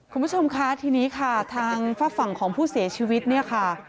คุณผู้ชมคะทีนี้ค่ะทางฝากฝั่งของผู้เสียชีวิตเนี่ยค่ะ